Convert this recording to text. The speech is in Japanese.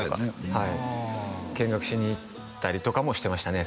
はい見学しに行ったりとかもしてましたね